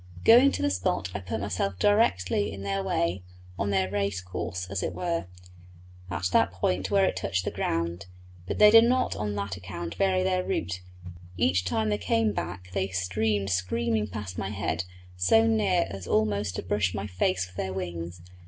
Going to the spot I put myself directly in their way on their race course as it were, at that point where it touched the earth; but they did not on that account vary their route; each time they came back they streamed screaming past my head so near as almost to brush my face with their wings.